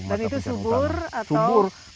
dan itu subur atau